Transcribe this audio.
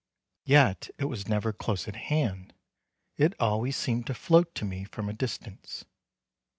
Yet it was never close at hand; it always seemed to float to me from a distance.